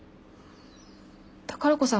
宝子さん